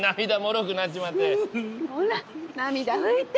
ほら涙拭いて！